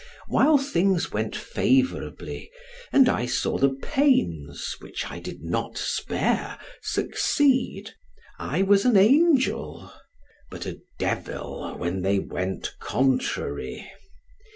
While things went favorably, and I saw the pains (which I did not spare) succeed, I was an angel; but a devil when they went contrary.